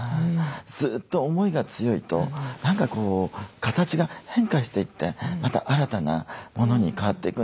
ずっと思いが強いと何かこう形が変化していってまた新たなものに変わっていくんだな。